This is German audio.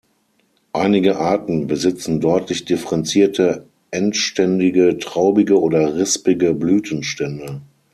Einige Arten besitzen deutlich differenzierte, endständige traubige oder rispige Blütenstände.